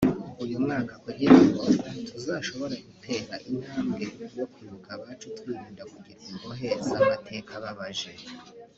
uyu mwaka kugira ngo tuzashobore no gutera intambwe yo kwibuka abacu twirinda kugirwa imbohe z’amateka ababaje